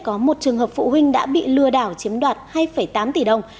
có một trường hợp phụ huynh đã bị lừa đảo chiếm đoạt hai tám tỷ đồng